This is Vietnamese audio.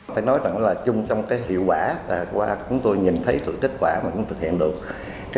phải nói rằng là chung trong cái hiệu quả qua chúng tôi nhìn thấy thử kết quả mà cũng thực hiện được